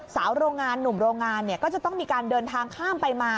โรงงานหนุ่มโรงงานเนี่ยก็จะต้องมีการเดินทางข้ามไปมา